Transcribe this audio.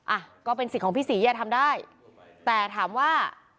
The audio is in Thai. อ่ะก็เป็นสิทธิ์ของพี่ศรีอย่าทำได้แต่ถามว่า